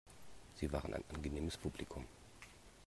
Sie waren ein angenehmes Publikum.